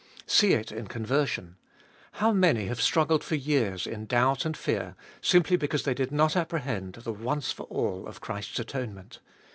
See it in conversion. How many have struggled for years in doubt and fear, simply because they did not apprehend the once for all of Christ's atonement.